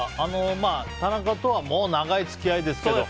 田中とはもう長い付き合いですけど。